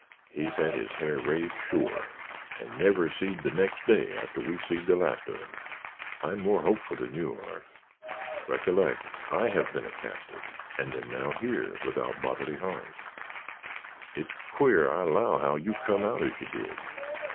"He's had his ha'r raised sure, and never seed the next day arter we seed the last on him." "I am more hopeful than you are. Recollect I have been a captive and am now here without bodily harm." "It's qua'r, I allow, how you come out, as you did.